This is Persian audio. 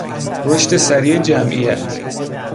رشد سریع جمعیت